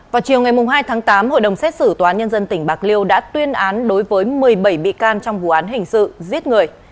vào chiều ngày hai tháng tám hội đồng xét xử tòa án nhân dân tỉnh bạc liêu đã tuyên án đối với một mươi bảy bị can trong vụ án hình sự giết người